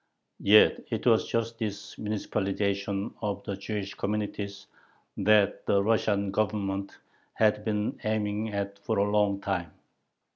Yet it was just this "municipalization" of the Jewish communities that the Russian Government had been aiming at for a long time.